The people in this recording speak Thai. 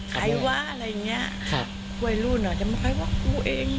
ใครวะอะไรอย่างนี้ไว้รู่นอาจจะมายอกว่ากูเอง